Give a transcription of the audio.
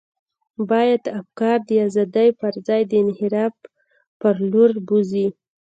باید افکار د ازادۍ پر ځای د انحراف پر لور بوزي.